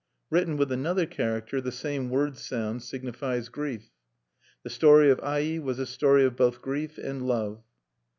Written with another character the same word sound signifies grief. The story of Ai was a story of both grief and love.